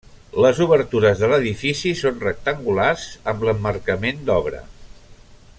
Les obertures de l'edifici són rectangulars, amb l'emmarcament d'obra.